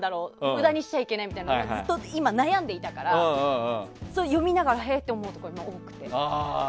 無駄にしちゃいけないって悩んでたから、読みながらへーって思ったのが多くて。